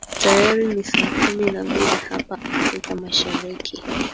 tayari ni saa kumi na mbili hapa afrika mashariki